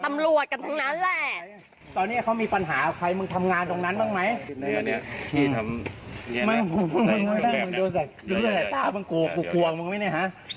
แม้ก็ไม่ใส่อันนี้